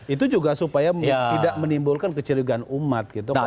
itu juga supaya tidak menimbulkan kecil jugaan umat gitu pak tiba